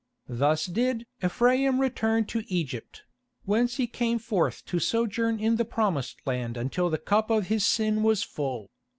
Thus did "Ephraim return to Egypt," whence he came forth to sojourn in the Promised Land until the cup of his sin was full.